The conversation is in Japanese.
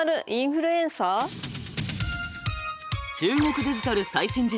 中国デジタル最新事情。